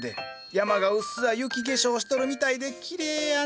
山がうっすら雪化粧しとるみたいできれいやな。